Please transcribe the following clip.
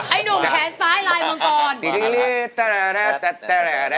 ไอหนุ่มแขระซ้ายลายมงกร